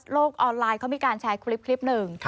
ออนไลน์เขามีการแชร์คลิปหนึ่ง